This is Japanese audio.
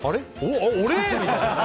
俺？みたいな。